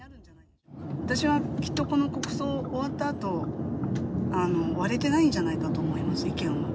私はきっとこの国葬終わったあと、割れてないんじゃないかと思います、意見は。